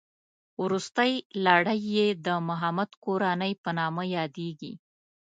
روستۍ لړۍ یې د محمد کورنۍ په نامه یادېږي.